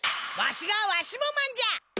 わしがわしもマンじゃ！